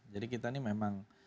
jadi kita ini memang